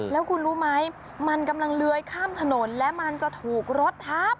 แล้วคุณรู้ไหมมันกำลังเลื้อยข้ามถนนและมันจะถูกรถทับ